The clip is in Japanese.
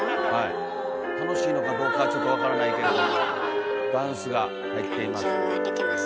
楽しいのかどうかちょっと分からないけれどダンスが入っています。